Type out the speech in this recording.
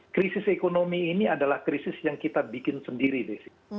krisis ekonomi ini adalah krisis yang kita bikin sendiri desi